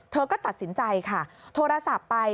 เธอก็ตัดสินใจค่ะโทรศัพท์ไป